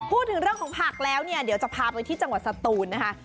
พูดถึงเรื่องของผักแล้วเนี่ยเดี๋ยวจะพาไปที่จังหวัดสตูนนะคะ